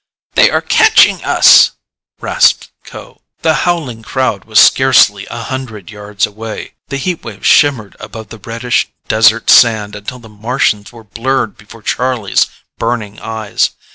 "They are catching us," rasped Kho. The howling crowd was scarcely a hundred yards away. The heat waves shimmered above the reddish desert sand until the Martians were blurred before Charlie's burning eyes.